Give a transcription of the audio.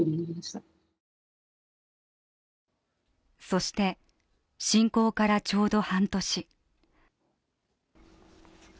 そして、侵攻からちょうど半年。